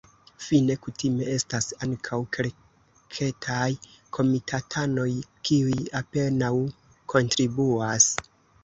Fine kutime estas ankaŭ kelketaj komitatanoj, kiuj apenaŭ kontribuas.